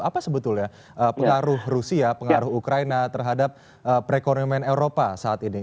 apa sebetulnya pengaruh rusia pengaruh ukraina terhadap perekonomian eropa saat ini